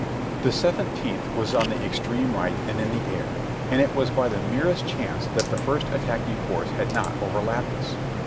the; battle of sharpsburg 293 The Seventeenth was on the extreme right and in the air, and it was by the merest chance that the first attacking force had not overlapped us.